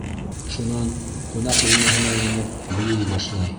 Шунан ҡунаҡ бүлмәһенә инеп, бейей башлай.